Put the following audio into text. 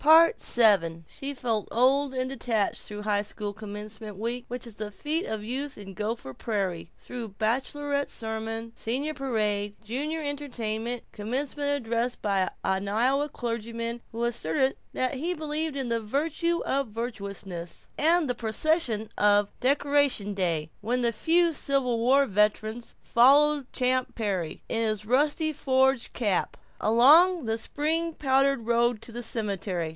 VII She felt old and detached through high school commencement week, which is the fete of youth in Gopher Prairie; through baccalaureate sermon, senior Parade, junior entertainment, commencement address by an Iowa clergyman who asserted that he believed in the virtue of virtuousness, and the procession of Decoration Day, when the few Civil War veterans followed Champ Perry, in his rusty forage cap, along the spring powdered road to the cemetery.